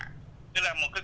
ở một cái lớp học võ cổ truyền